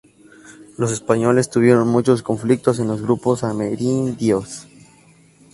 Los españoles tuvieron muchos conflictos con los grupos amerindios.